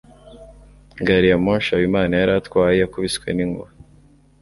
gari ya moshi habimana yari atwaye yakubiswe n'inkuba